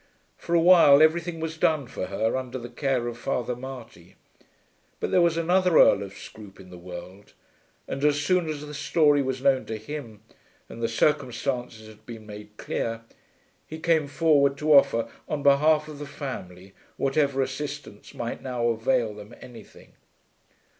For a while everything was done for her under the care of Father Marty; but there was another Earl of Scroope in the world, and as soon as the story was known to him and the circumstances had been made clear, he came forward to offer on behalf of the family whatever assistance might now avail them anything.